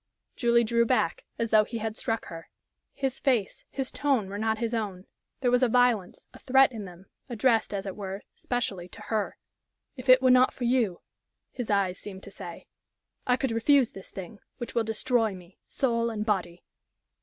Julie drew back as though he had struck her. His face, his tone were not his own there was a violence, a threat in them, addressed, as it were, specially to her. "If it were not for you," his eyes seemed to say, "I could refuse this thing, which will destroy me, soul and body."